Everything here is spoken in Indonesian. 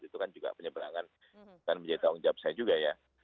itu kan juga penyeberangan dan menjadi tanggung jawab saya juga ya